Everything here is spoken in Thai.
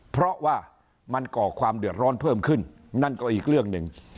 เพราะว่ามันก่อความเดือดร้อนเพิ่มขึ้นนั่นก็อีกเรื่องหนึ่ง